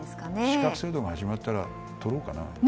資格制度が始まったら取ろうかな。